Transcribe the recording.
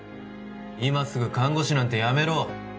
今すぐ看護師なんて辞めろ！